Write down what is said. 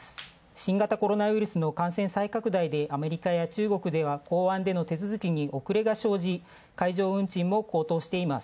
新型コロナウイルスでアメリカや中国では港湾での手続きに海上運賃も高騰しています。